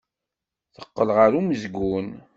Teqqel ɣer umezgun.